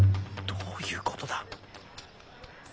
どういうことだ。